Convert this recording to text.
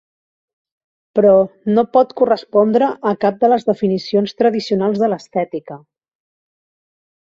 Però no pot correspondre a cap de les definicions tradicionals de l'estètica.